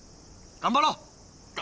頑張ろう。